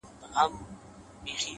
o که زر کلونه ژوند هم ولرمه ـ